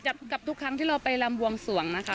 กับทุกครั้งที่เราไปลำบวงสวงนะคะ